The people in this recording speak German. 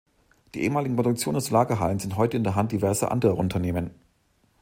Die ehemaligen Produktions- und Lagerhallen sind heute in der Hand diverser anderer Unternehmen.